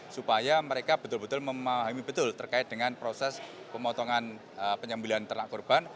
supaya mereka betul betul memahami betul terkait dengan proses pemotongan penyembelian ternak korban